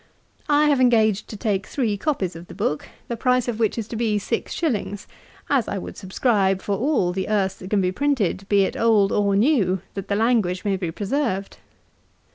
I have engaged to take three copies of the book, the price of which is to be six shillings, as I would subscribe for all the Erse that can be printed be it old or new, that the language may be preserved.